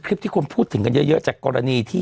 คลิปที่คนพูดถึงกันเยอะจากกรณีที่